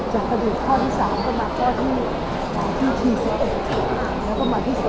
จากสะดุดข้อที่๓เข้ามาข้อที่๔๑แล้วก็มาที่สุด